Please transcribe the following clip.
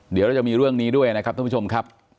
เดี๋ยวเราจะมีเรื่องนี้ด้วยนะครับท่านผู้ชมครับ